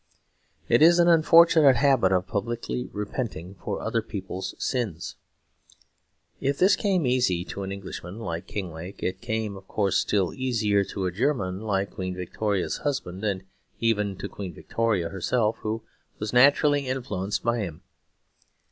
It is an unfortunate habit of publicly repenting for other people's sins. If this came easy to an Englishman like Kinglake, it came, of course, still easier to a German like Queen Victoria's husband and even to Queen Victoria herself, who was naturally influenced by him.